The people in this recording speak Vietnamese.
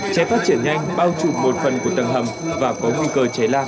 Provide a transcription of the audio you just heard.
cháy phát triển nhanh bao trùm một phần của tầng hầm và có nguy cơ cháy lan